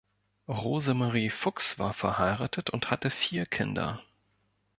Rosemarie Fuchs war verheiratet und hatte vier Kinder.